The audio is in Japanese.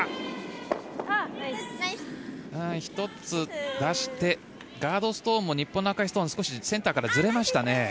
１つ出して、ガードストーンも日本の赤いストーンは少しセンターからずれましたね。